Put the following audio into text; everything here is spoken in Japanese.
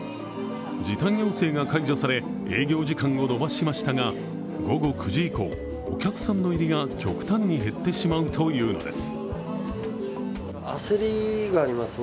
時短要請が解除され営業時間を延ばしましたが、午後９時以降、お客さんの入りが極端に減ってしまうというのです。